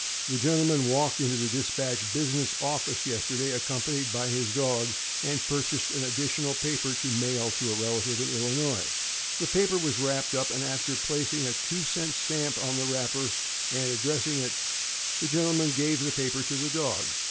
The gentleman walked into the Dispatch business office yesterday accompanied by his dog, and purchased an additional paper to mail to a relative in Illinois. The paper was wrapped up, and after placing a two cent stamp on the wrap per and addressing it, the gentleman gave the paper to the dog.